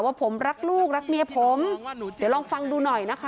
ว่าผมรักลูกรักเมียผมเดี๋ยวลองฟังดูหน่อยนะคะ